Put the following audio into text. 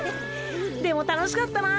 でも楽しかったな。